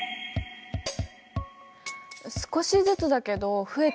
少しずつだけど増えているね。